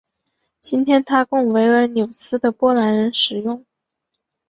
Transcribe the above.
今天它供维尔纽斯的波兰人使用。